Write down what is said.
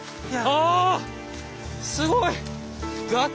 あすごい！崖！